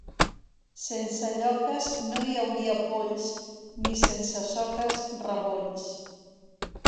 Sense lloques no hi hauria polls, ni sense soques, rebolls.